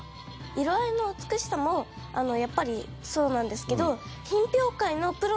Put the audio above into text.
色合いの美しさもやっぱりそうなんですけど。